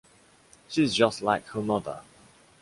She’s just like her mother.